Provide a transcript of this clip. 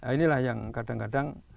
inilah yang kadang kadang